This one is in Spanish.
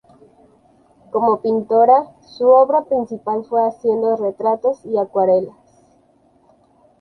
Como pintora, su obra principal fue haciendo retratos y acuarelas.